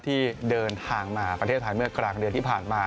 ที่เดินทางมาประเทศไทยเมื่อกลางเดือนที่ผ่านมา